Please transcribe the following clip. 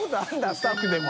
スタッフでも。